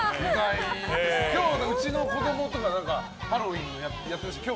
今日はうちの子供とかハロウィーンのやってましたよ。